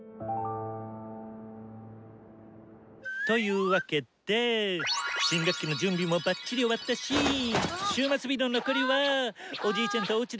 というわけで新学期の準備もバッチリ終わったし終末日の残りはおじいちゃんとあ。